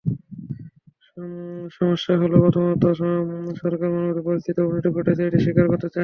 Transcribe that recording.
সমস্যাহলো, প্রথমত সরকার মানবাধিকার পরিস্থিতির অবনতি ঘটেছে—এটি স্বীকার করতে চায় না।